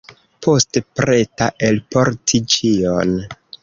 Poste, preta elporti ĉion.